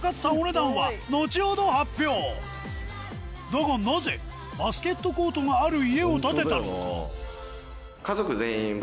だがなぜバスケットコートがある家を建てたのか？